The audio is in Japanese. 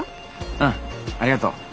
うんありがとう。